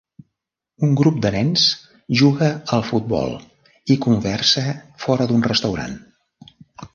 Un grup de nens juga al futbol i conversa fora d'un restaurant.